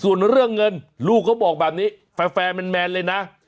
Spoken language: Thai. ส่วนเรื่องเงินลูกเขาบอกแบบนี้แฟร์แมนเลยนะ